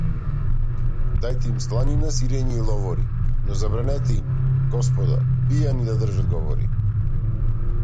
Дајте им сланина, сирење и ловори, но забранете им, господа, пијани да држат говори!